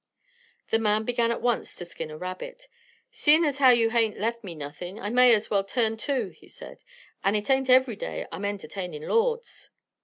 The man began at once to skin a rabbit. "Seein' as how you haint left me nothin', I may as well turn to," he said. "And it ain't every day I'm entertainin' lords."